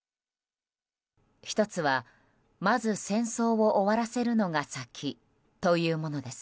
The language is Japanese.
１つはまず、戦争を終わらせるのが先というものです。